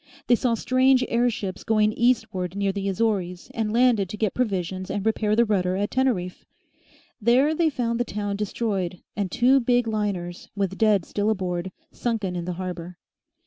They saw strange air ships going eastward near the Azores and landed to get provisions and repair the rudder at Teneriffe. There they found the town destroyed and two big liners, with dead still aboard, sunken in the harbour.